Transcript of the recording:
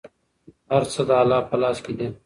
هر څه د الله په لاس کې دي.